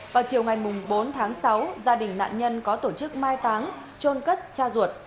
vào chiều ngày bốn tháng sáu gia đình nạn nhân có tổ chức mai táng trôn cất cha ruột